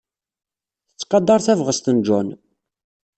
Tettqadar tabɣest n John.